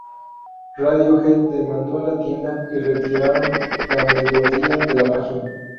Radiohead demandó a la tienda y retiraron la melodía de la página.